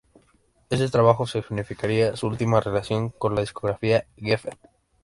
Este trabajo significaría su última relación con la discográfica Geffen.